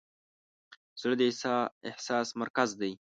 زړه د احساس مرکز دی.